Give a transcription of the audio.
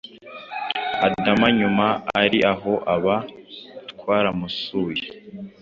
adama nyuma ari aho aba twaramusuye